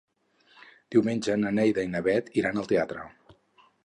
Diumenge na Neida i na Bet iran al teatre.